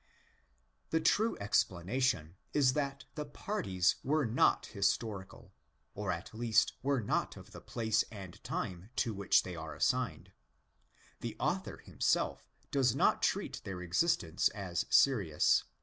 The true explanation is that the parties were not historical ; or at least were not of the place and time to which they are assigned. The author himself does not treat their existence as serious.